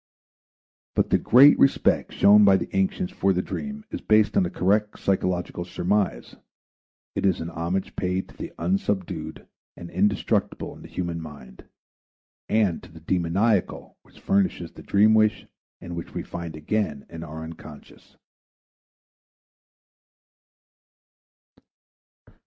But the great respect shown by the ancients for the dream is based on a correct psychological surmise. It is a homage paid to the unsubdued and indestructible in the human mind, and to the demoniacal which furnishes the dream wish and which we find again in our unconscious.